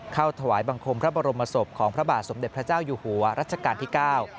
ถวายบังคมพระบรมศพของพระบาทสมเด็จพระเจ้าอยู่หัวรัชกาลที่เก้า